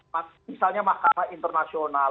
misalnya mahkamah internasional